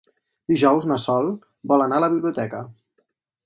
Dijous na Sol vol anar a la biblioteca.